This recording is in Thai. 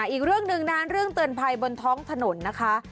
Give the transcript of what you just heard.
อีกเรื่องหนึ่งนะเรื่องเตือนภัยบนท้องถนนนะคะ